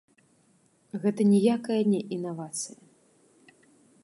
Гэта ніякая не інавацыя!